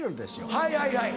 はいはいはい。